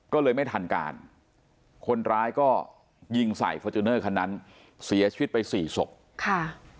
ก็เลยไม่ทันการคนร้ายก็ยิงใส่คันนั้นเสียชีวิตไปสี่ศพค่ะ